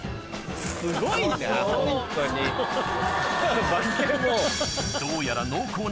すごいなホントに化け物。